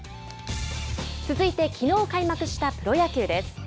続いて、きのう開幕したプロ野球です。